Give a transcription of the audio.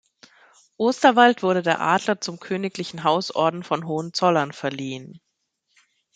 Osterwald wurde der Adler zum Königlichen Hausorden von Hohenzollern verliehen.